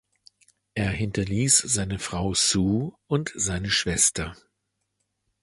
Er hinterließ seine Frau Sue und seine Schwester.